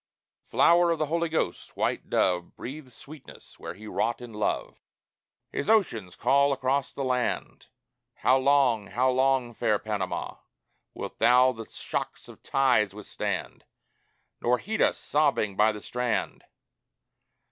(Flower of the Holy Ghost, white dove, Breathe sweetness where he wrought in love.) II His oceans call across the land: "How long, how long, fair Panama, Wilt thou the shock of tides withstand, Nor heed us sobbing by the strand?